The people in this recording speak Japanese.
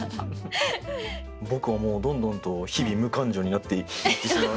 僕はもうどんどんと日々無感情になっていってしまうので。